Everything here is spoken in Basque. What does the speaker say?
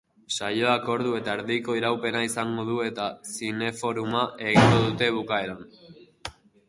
Saioak ordu eta erdiko iraupena izango du eta zineforuma egingo dute bukaeran.